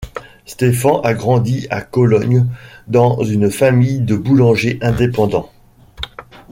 Stefan a grandi à Cologne dans une famille de boulangers indépendants.